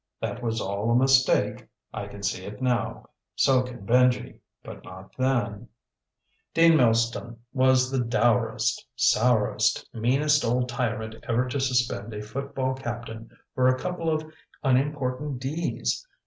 That was all a mistake. I can see it now. So can Benji. But not then. Dean Milston was the dourest, sourest, meanest old tyrant ever to suspend a football captain for a couple of unimportant "D"s.